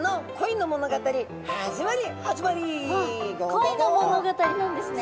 あっ恋の物語なんですね。